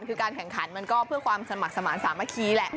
คือการแข่งขันมันก็เพื่อความสมัครสมาธิสามัคคีแหละ